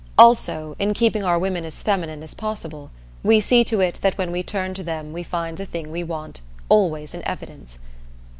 Also, in keeping our women as feminine as possible, we see to it that when we turn to them we find the thing we want always in evidence.